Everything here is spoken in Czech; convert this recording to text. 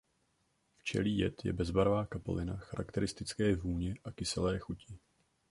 Včelí jed je bezbarvá kapalina charakteristické vůně a kyselé chuti.